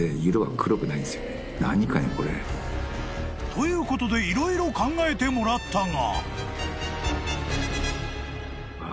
［ということで色々考えてもらったが］